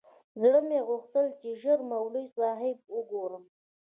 زړه مې غوښتل چې ژر مولوي صاحب وگورم.